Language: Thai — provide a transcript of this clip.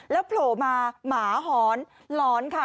โผล่มาหมาหอนหลอนค่ะ